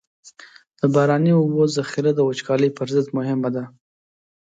د باراني اوبو ذخیره د وچکالۍ پر ضد مهمه ده.